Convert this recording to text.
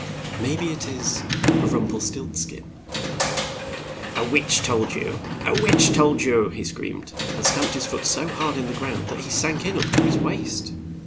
"May be it is Rum pel stilts kin." "A witch has told you 1 a witch has told you !" he screamed, and stamped his right foot so hard in the ground that he sank in up to his waist.